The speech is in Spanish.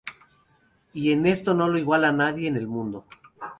Y en esto no lo iguala nadie en el mundo.